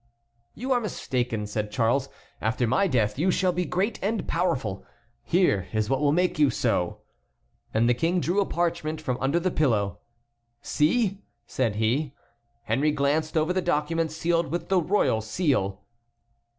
"You are mistaken," said Charles; "after my death you shall be great and powerful. Here is what will make you so." And the King drew a parchment from under the pillow. "See!" said he. Henry glanced over the document sealed with the royal seal.